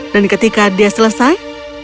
dan ketika dia selesai